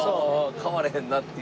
買われへんなっていう？